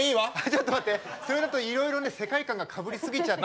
ちょっと待ってそれだといろいろね世界観がかぶり過ぎちゃって。